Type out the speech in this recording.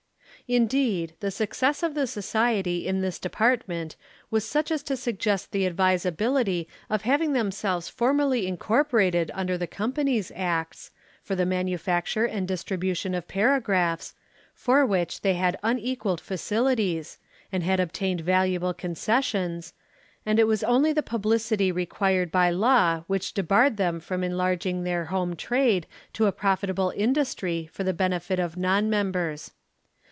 Indeed, the success of the Society in this department was such as to suggest the advisability of having themselves formally incorporated under the Companies' Acts for the manufacture and distribution of paragraphs, for which they had unequalled facilities, and had obtained valuable concessions, and it was only the publicity required by law which debarred them from enlarging their home trade to a profitable industry for the benefit of non members.